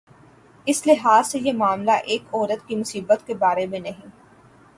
اس لحاظ سے یہ معاملہ ایک عورت کی مصیبت کے بارے میں نہیں۔